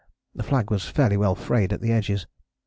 The flag was fairly well frayed at the edges.